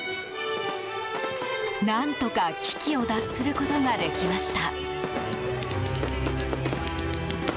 何とか危機を脱することができました。